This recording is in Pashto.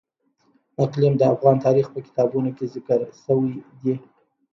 اقلیم د افغان تاریخ په کتابونو کې ذکر شوی دي.